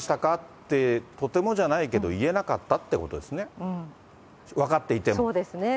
って、とてもじゃないけど言えなかったっていうことですね、分かっていても。